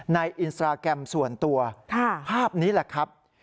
อินสตราแกรมส่วนตัวภาพนี้แหละครับ